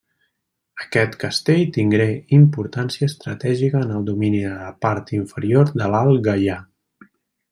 Aquest castell tingué importància estratègica en el domini de la part inferior de l'alt Gaià.